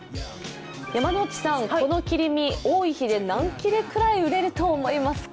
山内さん、この切り身、多い日で何切れくらい売れると思いますか？